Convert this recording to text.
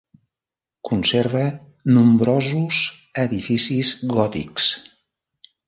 Conserva nombrosos edificis gòtics.